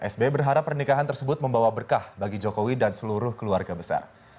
sbi berharap pernikahan tersebut membawa berkah bagi jokowi dan seluruh keluarga besar